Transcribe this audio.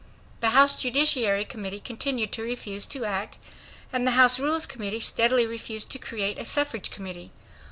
The House Judiciary Committee continued to refuse to act and the House Rules Committee steadily refused to create a Suffrage Committee.